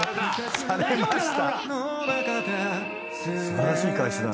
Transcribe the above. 「されました」！